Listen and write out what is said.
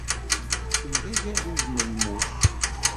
Kemm d agaluz n lmut.